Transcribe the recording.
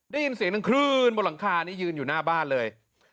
ได้ยินเสียงหนึ่งคลื่นบนหลังคานี่ยืนอยู่หน้าบ้านเลย